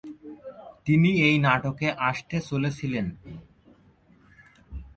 তিনি এই নাটকে আসতে চলেছিলেন।